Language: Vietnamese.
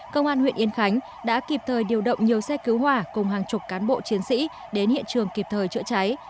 công an huyện yên khánh đã kịp thời điều động nhiều xe cứu hỏa cùng hàng chục cán bộ chiến sĩ đến hiện trường kịp thời chữa cháy